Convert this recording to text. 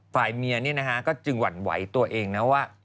ฝ่ายเมียก็จึงหวั่นไหวตัวเองนะว่า